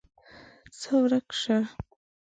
ځه ورک شه!